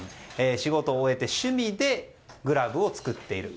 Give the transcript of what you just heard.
仕事を終えて趣味でグラブを作っていると。